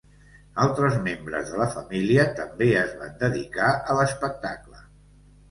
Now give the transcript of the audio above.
Altres membres de la família també es van dedicar a l'espectacle.